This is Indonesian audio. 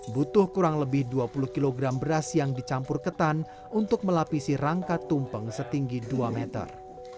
butuh kurang lebih dua puluh kg beras yang dicampur ketan untuk melapisi rangka tumpeng setinggi dua meter